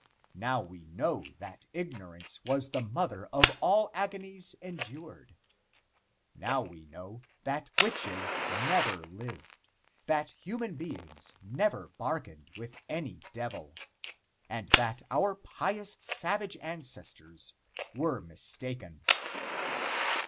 Now we know that ignorance was the mother of all the agonies endured. Now we know that witches never lived, that human beings never bargained with any devil, and that our pious savage ancestors were mistaken.